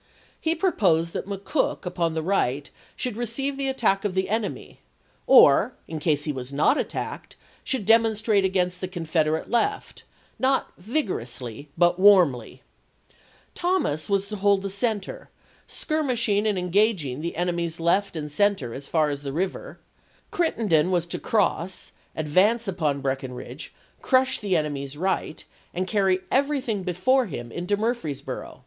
He proposed that McCook upon the right should receive the attack of the enemy or, in case he was not attacked, should demonstrate against the Confederate left " not vigorously, but warmly"; Thomas was to hold the center, skir mishing and engaging the enemy's left and center as far as the river; Crittenden was to cross, advance upon Breckinridge, crush the enemy's right, and carry everything before him into Murfreesboro.